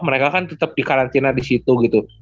mereka kan tetap di karantina di situ gitu